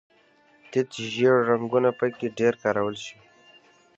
تت ژیړ رنګونه په کې ډېر کارول شوي.